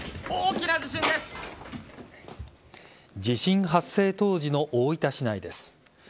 地震発生当時の大分市内です。